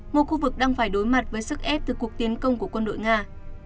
một khu vực đang phải đối mặt với sức ép từ cuộc tiến công của quân đội nga